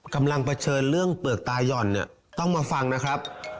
เผชิญเรื่องเปลือกตาย่อนเนี่ยต้องมาฟังนะครับ